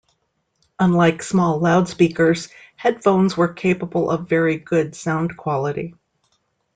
Unlike small loudspeakers, headphones were capable of very good sound quality.